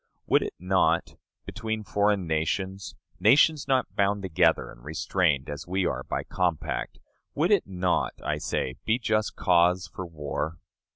Would it not, between foreign nations nations not bound together and restrained as we are by compact would it not, I say, be just cause for war?